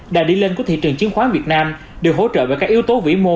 đài đi lên của thị trường chính khoán việt nam được hỗ trợ bởi các yếu tố vĩ mô